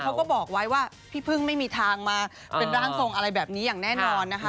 เขาก็บอกไว้ว่าพี่พึ่งไม่มีทางมาเป็นร่างทรงอะไรแบบนี้อย่างแน่นอนนะคะ